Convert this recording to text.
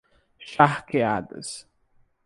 Charqueadas